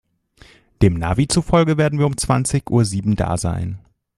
Dem Navi zufolge werden wir um zwanzig Uhr sieben da sein.